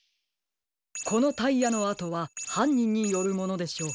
このタイヤのあとははんにんによるものでしょう。